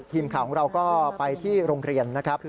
ทีมข่าวของเราก็ไปที่โรงเรียนนะครับ